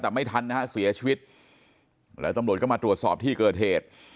แต่ไม่ทันนะฮะเสียชีวิตแล้วตำรวจก็มาตรวจสอบที่เกิดเหตุ